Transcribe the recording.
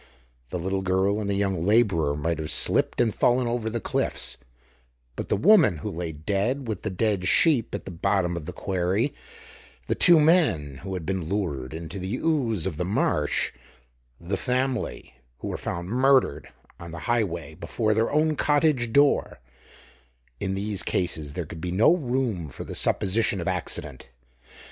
The little girl and the young laborer might have slipped and fallen over the cliffs, but the woman who lay dead with the dead sheep at the bottom of the quarry, the two men who had been lured into the ooze of the marsh, the family who were found murdered on the Highway before their own cottage door; in these cases there could be no room for the supposition of accident.